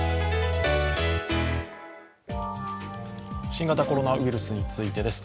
新型コロナウイルスについてです。